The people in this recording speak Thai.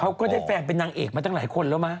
ก็ได้แฟนเป็นนางเอกมาตั้งหลายคนแล้วมั้